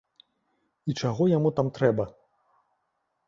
І чаго яму там трэба?